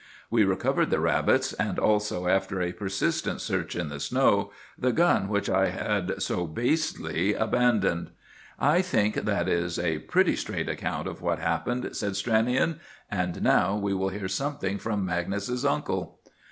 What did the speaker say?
We recovered the rabbits, and also, after a persistent search in the snow, the gun which I had so basely abandoned." "I think that is a pretty straight account of what happened," said Stranion; "and now we will hear something from Magnus's uncle."